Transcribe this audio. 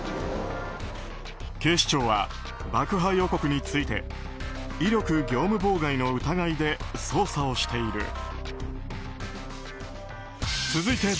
警視庁は爆破予告について威力業務妨害の疑いで捜査をしている。